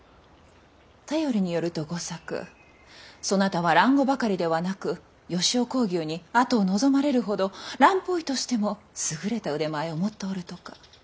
便りによると吾作そなたは蘭語ばかりではなく吉雄耕牛に跡を望まれるほど蘭方医としても優れた腕前を持っておるとか。